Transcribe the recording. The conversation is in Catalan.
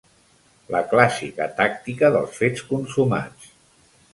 La clàssica tàctica dels fets consumats.